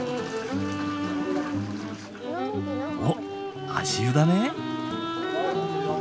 おっ足湯だね。